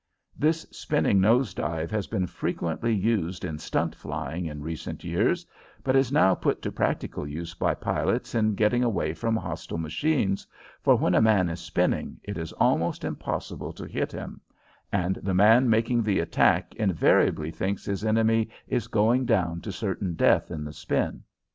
This spinning nose dive has been frequently used in "stunt" flying in recent years, but is now put to practical use by pilots in getting away from hostile machines, for when a man is spinning, it is almost impossible to hit him, and the man making the attack invariably thinks his enemy is going down to certain death in the spin.